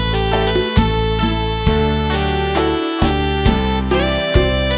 ขอบคุณครับ